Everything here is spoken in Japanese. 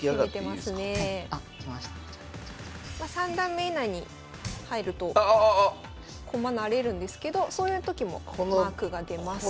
まあ三段目以内に入ると駒成れるんですけどそういうときもマークが出ます。